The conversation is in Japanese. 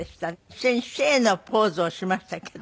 一緒にシェーのポーズをしましたけど。